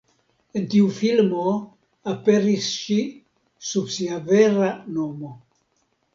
En tiu filmo aperis ŝi sub sia vera nomo.